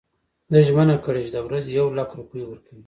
ده ژمنه کړې چې د ورځي یو لک روپۍ ورکوي.